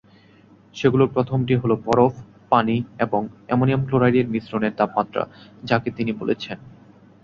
সেগুলোর প্রথম টি হল বরফ, পানি এবং অ্যামোনিয়াম ক্লোরাইড এর মিশ্রণের তাপমাত্রা, যাকে তিনি বলেছেন।